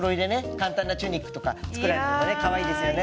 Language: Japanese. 簡単なチュニックとか作られてもねかわいいですよね。